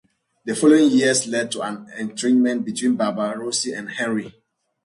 The following years led to an estrangement between Barbarossa and Henry.